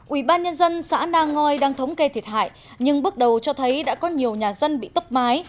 ubnd xã na ngoi đang thống kê thiệt hại nhưng bước đầu cho thấy đã có nhiều nhà dân bị tốc mái